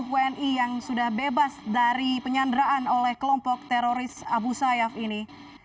wni yang sudah bebas dari penyanderaan oleh kelompok teroris abu sayyaf ini